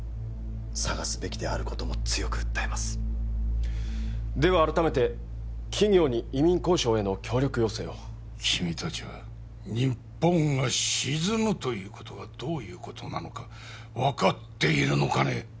「探すべきであることも強く訴えます」では改めて企業に移民交渉への協力要請を君達は日本が沈むということがどういうことなのか分かっているのかね？